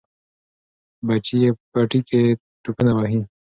بچي یې په پټي کې ټوپونه وهي.